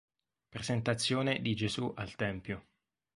Presentazione di Gesù al Tempio